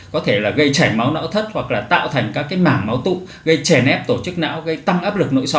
có thể là gây chảy máu não thất hoặc là tạo thành các cái mảng máu tụ gây chè nép tổ chức não gây tăng áp lực nội sọ